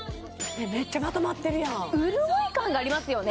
めっちゃまとまってるやん潤い感がありますよね